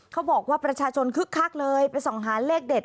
เขาบอกว่าประชาชนคึกคักเลยไปส่องหาเลขเด็ด